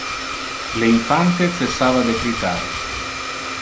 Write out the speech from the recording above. Le infante cessava de critar.